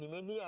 bukan di media